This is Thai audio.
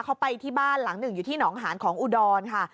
เขาไปที่บ้านหลังหนึ่งอยู่ที่หนองหานของอุดรค่ะ